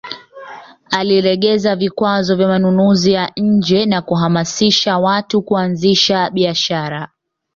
Alilegeza vikwazo vya manunuzi ya nje na kuhamasisha watu kuanzisha biashara